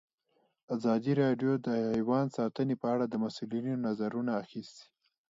ازادي راډیو د حیوان ساتنه په اړه د مسؤلینو نظرونه اخیستي.